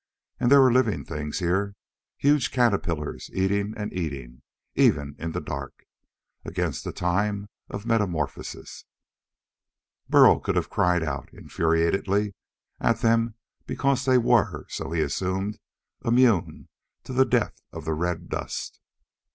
And there were living things here: huge caterpillars eating and eating, even in the dark, against the time of metamorphosis. Burl could have cried out infuriatedly at them because they were so he assumed immune to the death of the red dust.